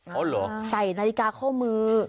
อ๋อเหรอใส่นาฬิกาข้อมือ